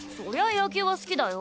野球は好きだよ？